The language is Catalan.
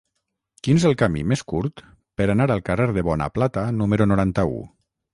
Quin és el camí més curt per anar al carrer de Bonaplata número noranta-u?